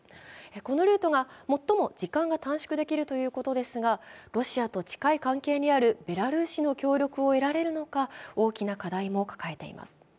このルートが最も時間が短縮できるということですが、ロシアと近い関係にあるベラルーシの協力を得られるのか大きな課題も抱えています。